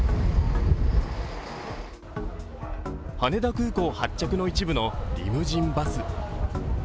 羽田空港発着の一部のリムジンバス。